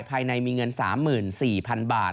ภายในมีเงิน๓๔๐๐๐บาท